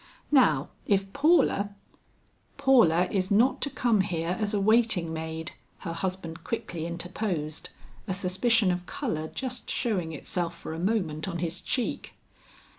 "Now if Paula " "Paula is not to come here as a waiting maid," her husband quickly interposed, a suspicion of color just showing itself for a moment on his cheek.